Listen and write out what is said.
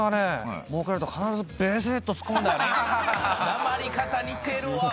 なまり方似てるわ。